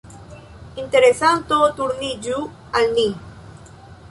Interesanto turniĝu al ni.